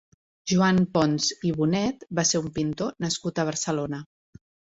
Joan Ponç i Bonet va ser un pintor nascut a Barcelona.